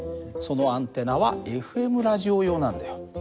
そのアンテナはＦＭラジオ用なんだよ。